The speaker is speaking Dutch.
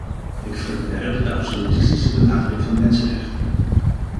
Ik verwerp de absolutistische benadering van mensenrechten.